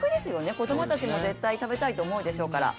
子供たちも絶対食べたいと思うでしょうから。